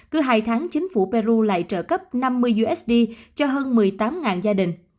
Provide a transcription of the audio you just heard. cứ hai tháng chính phủ peru lại trợ cấp năm mươi usd cho hơn một mươi tám gia đình